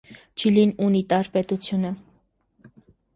Չիլին ունիտար պետություն է։